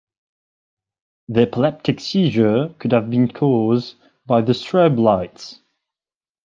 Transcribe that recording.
The epileptic seizure could have been cause by the strobe lights.